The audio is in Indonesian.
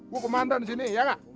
gue kemandan di sini iya gak